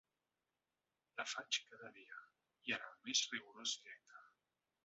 La faig cada dia, i en el més rigorós directe.